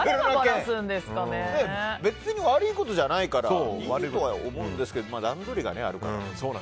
別に悪いことじゃないですからいいと思うんですけど段取りがあるから。